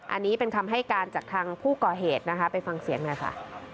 อันนี้เป็นคำให้การจากทางผู้ก่อเหตุนะคะไปฟังเสียงหน่อยค่ะ